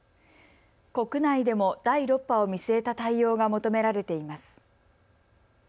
国内でも第６波を見据えた対応が求められています。